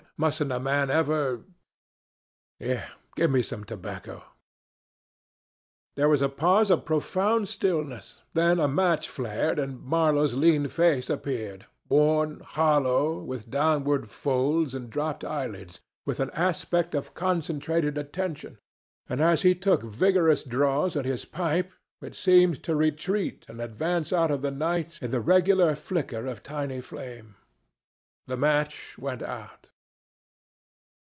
mustn't a man ever Here, give me some tobacco." ... There was a pause of profound stillness, then a match flared, and Marlow's lean face appeared, worn, hollow, with downward folds and dropped eyelids, with an aspect of concentrated attention; and as he took vigorous draws at his pipe, it seemed to retreat and advance out of the night in the regular flicker of the tiny flame. The match went out.